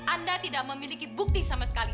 anda tidak memiliki bukti sama sekali